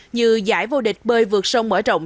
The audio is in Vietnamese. như giải vô địch bơi vượt sông mở rộng